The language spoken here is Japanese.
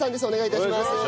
お願い致します。